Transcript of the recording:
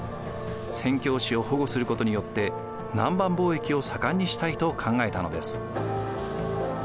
宣教師を保護することによって南蛮貿易を盛んにしたいと考えたのです。